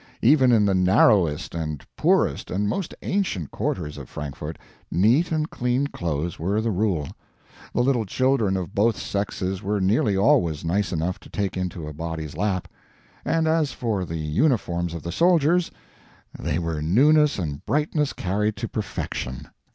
Even in the narrowest and poorest and most ancient quarters of Frankfort neat and clean clothes were the rule. The little children of both sexes were nearly always nice enough to take into a body's lap. And as for the uniforms of the soldiers, they were newness and brightness carried to perfection.